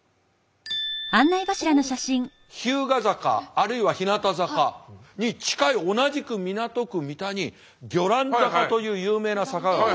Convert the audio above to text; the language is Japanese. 日向坂あるいは日向坂に近い同じく港区三田に魚籃坂という有名な坂があります。